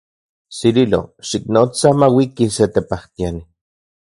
Cirilo, xiknotsa mauiki se tepajtiani.